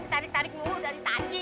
ditarik tarik bubur dari tadi